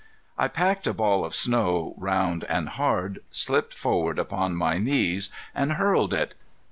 I packed a ball of snow round and hard, slipped forward upon my knees, and hurled it.